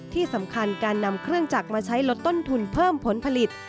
ที่สำคัญการนำเครื่องจักรมาใช้ลดต้นทุนเพิ่มผลผลิต